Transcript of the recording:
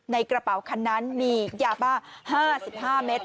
ในกระเป๋าคันนั้นมียาบ้า๕๕เมตร